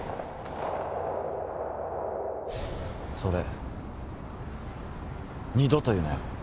それ二度と言うなよ。